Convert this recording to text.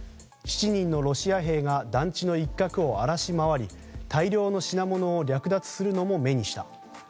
７人のロシア兵が団地の一角を荒らし回り大量の品物を略奪するのも目にした。